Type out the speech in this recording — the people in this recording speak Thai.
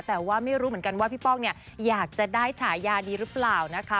แต่ว่าไม่รู้เหมือนกันว่าพี่ป้องเนี่ยอยากจะได้ฉายาดีหรือเปล่านะคะ